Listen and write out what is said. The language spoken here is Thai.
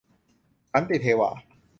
สันติเทวา